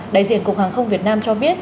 đại diện cục hàng không việt nam cho biết